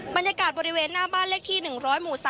บรรยากาศบริเวณหน้าบ้านเลขที่๑๐๐หมู่๓